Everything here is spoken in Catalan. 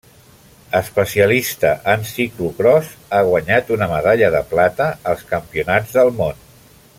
Especialista en ciclocròs, ha guanyat una medalla de plata als Campionats del món.